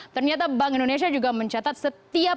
ternyata bank indonesia juga mencatat setiap